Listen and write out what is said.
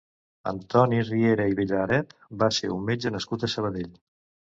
Antoni Riera i Villaret va ser un metge nascut a Sabadell.